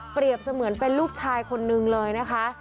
เสมือนเป็นลูกชายคนนึงเลยนะคะ